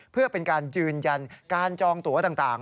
เพื่อเป็นการยืนยันการจองตัวต่าง